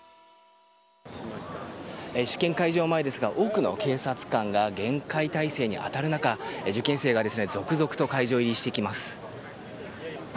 試験会場前ですが多くの警察官が厳戒態勢に当たる中受験生が続々と会場入りしていきます。